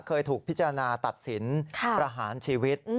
เคยถูกพิจารณาตัดสินประหารชีวิต